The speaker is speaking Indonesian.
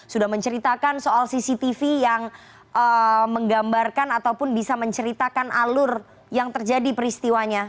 sudah menceritakan soal cctv yang menggambarkan ataupun bisa menceritakan alur yang terjadi peristiwanya